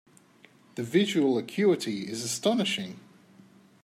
The visual acuity is astonishing.